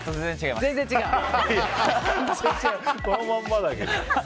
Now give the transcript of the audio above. いやそのまんまだけど。